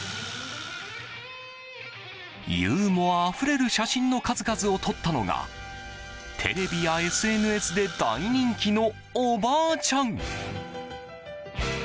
ユーモアあふれる写真の数々を撮ったのがテレビやＳＮＳで大人気のおばあちゃん。